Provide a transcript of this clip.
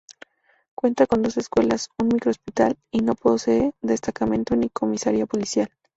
Cuenta con dos escuelas, un micro hospital, y no posee destacamento ni comisaría policial.